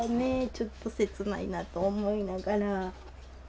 ちょっと切ないなと思いながら。